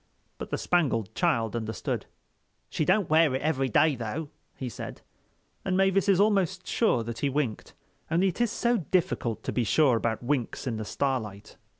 But the Spangled Child understood. "She don't wear it every day, though," he said; and Mavis is almost sure that he winked. Only it is so difficult to be sure about winks in the starlight.